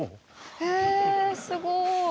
へえすごい。